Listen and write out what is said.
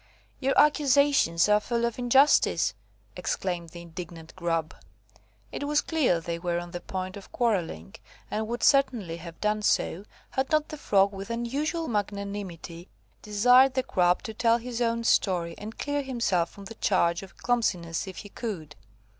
"Your accusations are full of injustice," exclaimed the indignant Grub. It was clear they were on the point of quarrelling, and would certainly have done so, had not the Frog, with unusual magnanimity, desired the Grub to tell his own story, and clear himself from the charge of clumsiness if he could.